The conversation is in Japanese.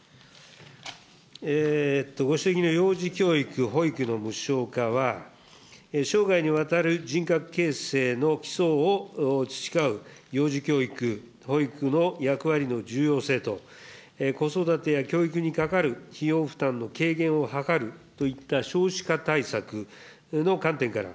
ご指摘の幼児教育、保育の無償化は、生涯にわたる人格形成の基礎を培う幼児教育、保育の役割の重要性と、子育てや教育にかかる費用負担の軽減を図るといった少子化対策の観点から、